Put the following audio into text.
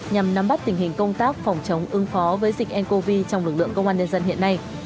nhằm nắm bắt tình hình công tác phòng chống ứng phó với dịch ncov trong lực lượng công an nhân dân hiện nay